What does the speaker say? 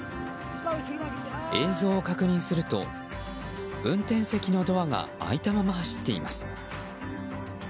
映像を確認すると運転席のドアが開いたまま走っています。